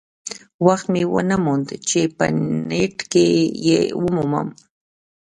وخت مې ونه موند چې په نیټ کې یې ومومم.